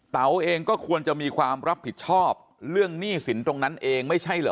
เองก็ควรจะมีความรับผิดชอบเรื่องหนี้สินตรงนั้นเองไม่ใช่เหรอ